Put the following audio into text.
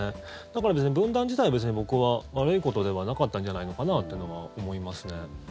だから、別に分断自体は別に僕は悪いことではなかったんじゃないのかなというのは思いますね。